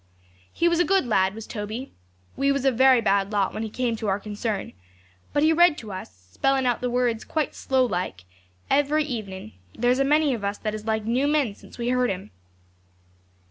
'He was a good lad, was Toby. We was a very bad lot when he came to our concern; but he read to us, spelling out the words quite slow like, every evening; and there's a many of us that is like new men since we heard him.